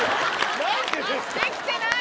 できてない！